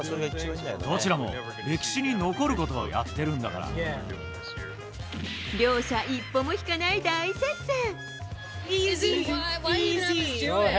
どちらも歴史に残ることをやってるんだから。両者一歩も引かない大接戦。